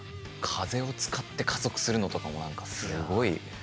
風を使って加速するのとかも何かすごい。